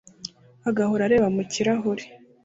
agahora arebera mu kirahure